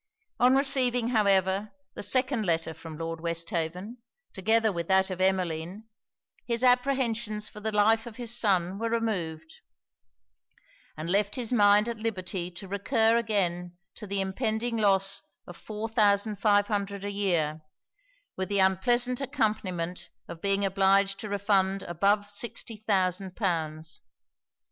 On receiving, however, the second letter from Lord Westhaven, together with that of Emmeline, his apprehensions for the life of his son were removed, and left his mind at liberty to recur again to the impending loss of four thousand five hundred a year, with the unpleasant accompanyment of being obliged to refund above sixty thousand pounds.